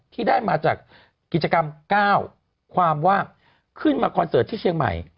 ที่ได้มาจากกิจกรรมก้าวความว่าขึ้นมาคอนเสิร์ตที่เชียงใหม่